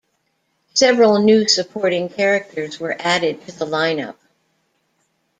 Several new supporting characters were added to the lineup.